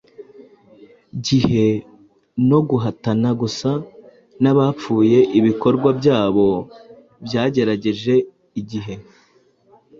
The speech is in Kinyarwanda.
gihe no guhatana gusa n'abapfuye ibikorwa byabo byagerageje igihe. "